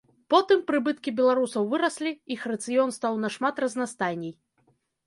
Потым прыбыткі беларусаў выраслі, іх рацыён стаў нашмат разнастайней.